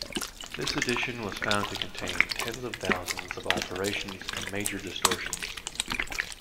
This edition was found to contain tens of thousands of alterations and major distortions.